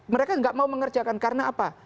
mereka nggak mau mengerjakan karena apa